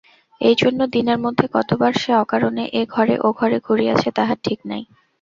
এইজন্য দিনের মধ্যে কতবার সে অকারণে এ ঘরে ও ঘরে ঘুরিয়াছে তাহার ঠিক নাই।